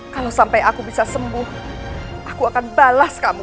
kalau sampai aku bisa sembuh aku akan balas kamu